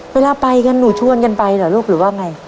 เวลาไปกันหนูชวนกันไปเหรอลูกหรือว่าไง